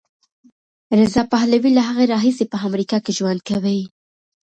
رضا پهلوي له هغې راهیسې په امریکا کې ژوند کوي.